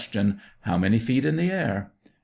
How many feet in the air ? A.